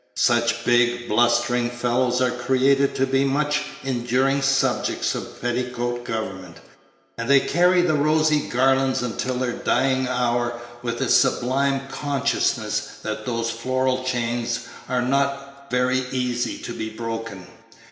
Such big, blustering fellows are created to be the much enduring subjects of petticoat government; and they carry the rosy garlands until their dying hour with a sublime consciousness that those floral chains are not very easy to be broken.